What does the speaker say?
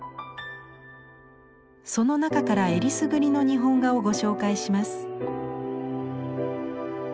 その中からえりすぐりの日本画をご紹介します。